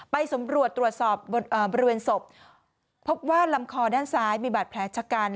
ไปสำรวจตรวจสอบบริเวณศพพบว่าลำคอด้านซ้ายมีบาดแผลชะกัน